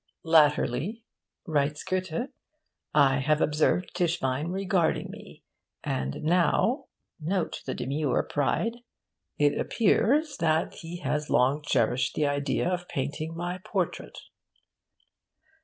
'Latterly,' writes Goethe, 'I have observed Tischbein regarding me; and now' note the demure pride! 'it appears that he has long cherished the idea of painting my portrait.